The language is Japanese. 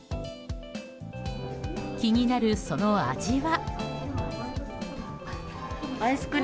気になるその味は。